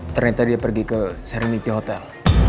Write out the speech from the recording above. ternyata dia pergi ke seremity hotel